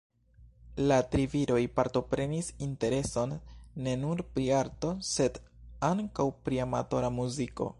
La tri viroj partoprenis intereson ne nur pri arto, sed ankaŭ pri amatora muziko.